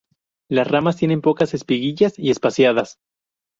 Las ramas tienen pocas espiguillas y espaciadas.